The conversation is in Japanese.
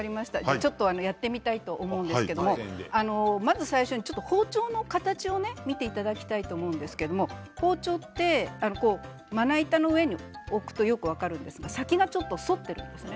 ちょっとやってみたいと思うんですけどまず最初に包丁の形を見ていただきたいと思うんですけど包丁って、まな板の上に置くとよく分かるんですけど先がちょっと反っているんですね。